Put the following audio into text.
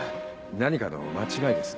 何かの間違いです。